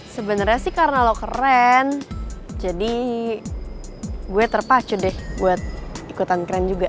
sebenarnya sih karena lo keren jadi gue terpacu deh buat ikutan keren juga